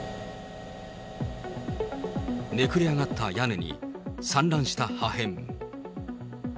めくれあがった屋根に、散乱した破片。